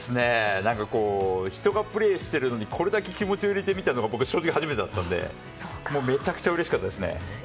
人がプレーしているのにこれだけ気持ちを入れてみたのが僕、正直初めてだったのでめちゃくちゃうれしかったですね。